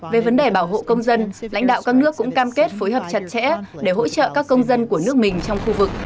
về vấn đề bảo hộ công dân lãnh đạo các nước cũng cam kết phối hợp chặt chẽ để hỗ trợ các công dân của nước mình trong khu vực